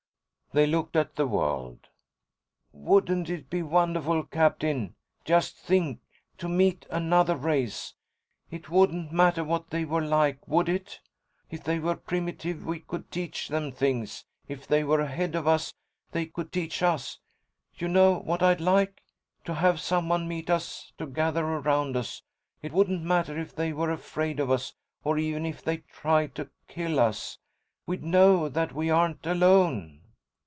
They looked at the world. "Wouldn't it be wonderful, Captain? Just think—to meet another race. It wouldn't matter what they were like, would it? If they were primitive, we could teach them things. If they were ahead of us, they could teach us. You know what I'd like? To have someone meet us, to gather around us. It wouldn't matter if they were afraid of us or even if they tried to kill us. We'd know that we aren't alone."